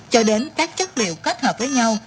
cho đến các chất liệu kết hợp với nhau